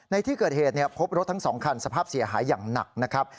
ในที่เกิดเหตุพบรถทั้ง๒คันสภาพเสียหายอย่างหนักนะครับ